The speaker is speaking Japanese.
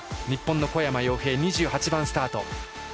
日本の小山陽平は２８番スタート。